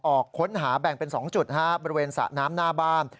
ออกค้นหาแบ่งเป็น๒จุดบริเวณสระน้ำหน้าบ้าน